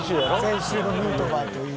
先週のヌートバーといい。